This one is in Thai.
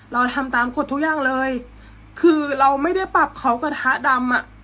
เราทำตามกฎทุกอย่างเลยคือเราไม่ได้ปรับเขากระทะดำอ่ะ